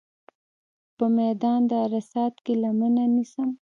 په میدان د عرصات کې لمنه نیسم.